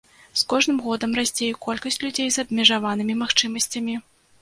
З кожным годам расце і колькасць людзей з абмежаванымі магчымасцямі.